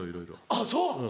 あっそう！